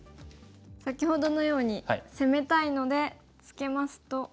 先ほどのように攻めたいのでツケますと。